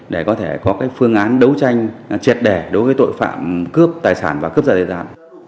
đấu tranh chệt đẻ đối với tội phạm cướp tài sản và cướp giật tài sản